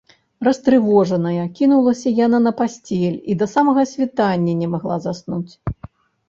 Растрывожаная, кінулася яна на пасцель і да самага світання не магла заснуць.